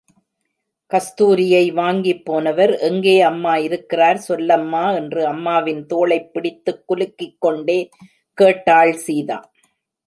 கஸ்தூரியை வாங்கிப்போனவர் எங்கே அம்மா இருக்கிறார் சொல்லம்மா! என்று அம்மாவின் தோளைப் பிடித்துக் குலுக்கிக்கொண்டே கேட்டாள் சீதா.